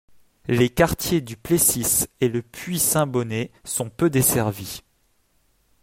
Les quartiers du Plessis et Le Puy-Saint-Bonnet sont peu desservis.